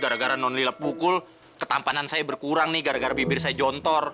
gara gara non lilap pukul ketampanan saya berkurang nih gara gara bibir saya jontor